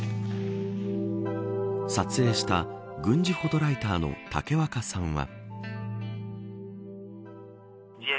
撮影した軍事フォトライターの武若さんは。